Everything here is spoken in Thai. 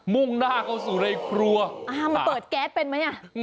มุ่งหน้าเข้าสู่เลยครัวแก๊สเป็นไหม